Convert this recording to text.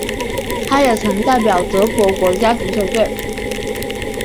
他也曾代表德国国家足球队。